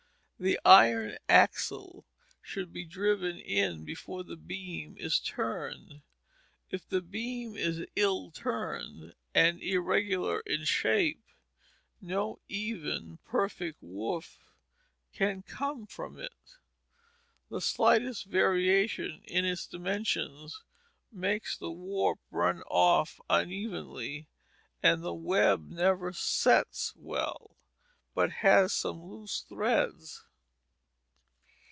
The iron axle should be driven in before the beam is turned. If the beam is ill turned and irregular in shape, no even, perfect woof can come from it. The slightest variation in its dimensions makes the warp run off unevenly, and the web never "sets" well, but has some loose threads.